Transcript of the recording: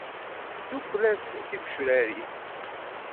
Tesdukel-as tigecrar-is.